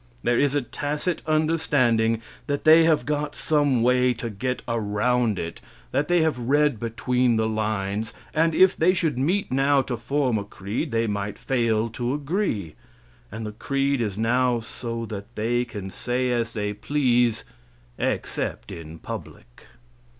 There is a tacit understanding that they have got some way to get around it, that they read between the lines; and if they should meet now to form a creed, they might fail to agree; and the creed is now so that they can say as they please, except in public.